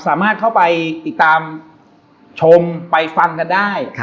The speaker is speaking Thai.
สามารถเข้าไปติดตามชมไปฟังกันได้